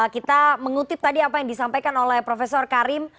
kita mengutip tadi apa yang disampaikan oleh prof karim